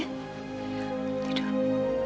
sekarang kamu istirahat ya